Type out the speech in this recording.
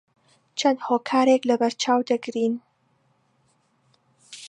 چەند هۆکارێک لەبەرچاو دەگرین